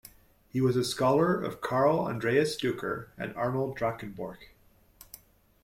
He was a scholar of Karl Andreas Duker and Arnold Drakenborch.